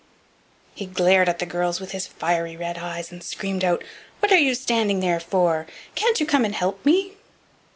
He glared at the girls with his fiery red eyes, and screamed out: "What are you standing there for? Can't you come and help me?"